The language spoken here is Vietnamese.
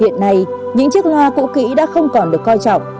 hiện nay những chiếc loa cũ kỹ đã không còn được coi trọng